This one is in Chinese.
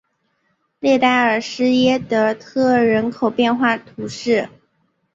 列代尔施耶德特人口变化图示